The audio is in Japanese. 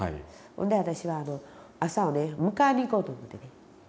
ほんで私は朝はね迎えに行こうと思ってね行ったんです。